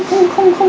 không không không